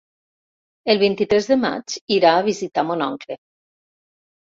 El vint-i-tres de maig irà a visitar mon oncle.